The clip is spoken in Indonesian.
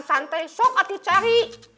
santai sok atuh cahy